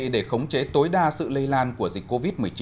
để khống chế tối đa sự lây lan của dịch covid một mươi chín